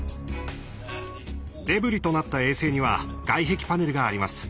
デブリとなった衛星には外壁パネルがあります。